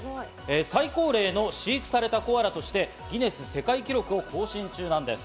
最高齢の飼育されたコアラとしてギネス世界記録を更新中なんです。